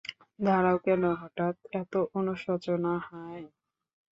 দাঁড়াও, কেন হঠাৎ এত অনুশোচনা, হাহ?